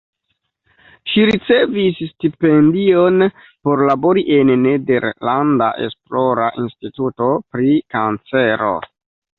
Ŝi ricevis stipendion por labori en nederlanda esplora instituto pri kancero.